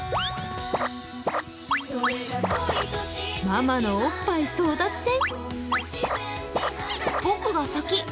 ママのおっぱい争奪戦。